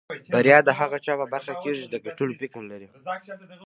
بريا د هغه چا په برخه کېږي چې د ګټلو فکر لري.